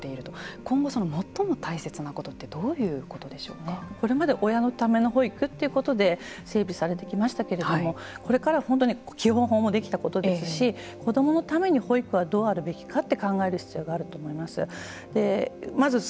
今後、最も大切なことってこれまで親のための保育ということで整備されてきましたけれどもこれからは本当に基本法もできたことですし子どものために保育はどうあるべきかって考える必要があると思います。